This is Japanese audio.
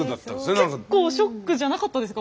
結構ショックじゃなかったですか？